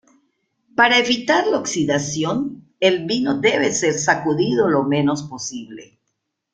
Para evitar la oxidación, el vino debe ser sacudido lo menos posible.